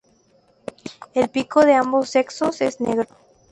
El pico de ambos sexos es negro.